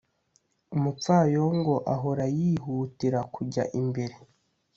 umupfayongo ahora yihutira kujya imbere.